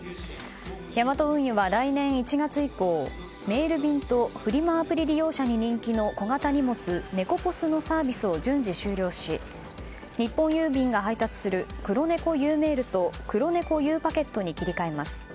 ヤマト運輸は来年１月以降メール便とフリマアプリ利用者に人気の小型荷物ネコポスのサービスを順次終了し日本郵便が配達するクロネコゆうメールとクロネコゆうパケットに切り替えます。